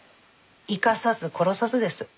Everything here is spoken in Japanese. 生かさず殺さずです。